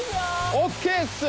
ＯＫっす！